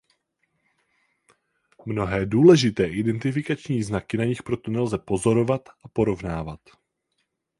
Mnohé důležité identifikační znaky na nich proto nelze pozorovat a porovnávat.